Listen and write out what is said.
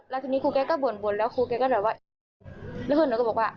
แล้วทีนี้ครูแกก็บ่นบ่นแล้วครูแกก็แบบว่าแล้วเพื่อนหนูก็บอกว่า